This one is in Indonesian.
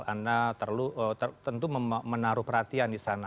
anda tentu menaruh perhatian di sana